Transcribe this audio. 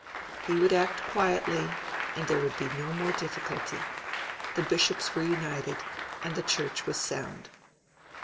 He would act quietly, and there would be no more difficulty. The Bishops were united, and the Church was sound.